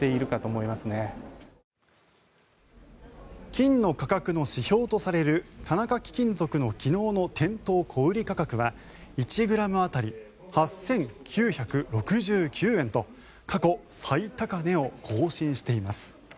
金の価格の指標とされる田中貴金属の昨日の店頭小売価格は１ｇ当たり８９６９円と過去最高値を更新しています。